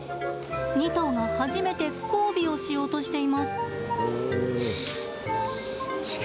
２頭が、初めて交尾をしようとしています。